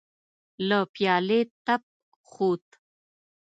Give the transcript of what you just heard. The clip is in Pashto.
له پيالې تپ خوت.